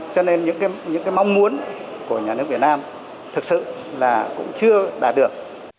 cho nên những cái mong muốn của nhà nước việt nam thực sự là cũng chưa đạt được